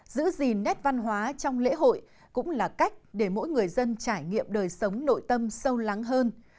giữ gìn nét văn hóa trong lễ hội cũng là cách để mỗi người dân trải nghiệm đời sống nội tâm sâu lắng hơn